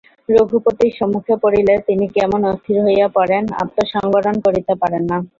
রঘুপতির সম্মুখে পড়িলে তিনি কেমন অস্থির হইয়া পড়েন, আত্মসম্বরণ করিতে পারেন না।